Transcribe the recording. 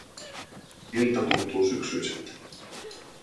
Ilta tuntuu syksyiseltä.